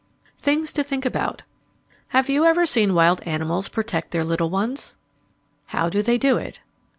THINGS TO THINK ABOUT Have you ever seen wild animals protect their little ones? How do they do it?